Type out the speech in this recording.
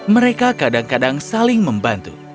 mereka kadang kadang saling membantu